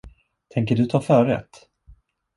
Tänker du ta förrätt?